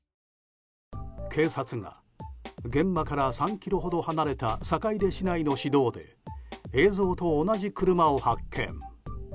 警察が現場から３ｋｍほど離れた坂出市内の市道で映像と同じ車を発見。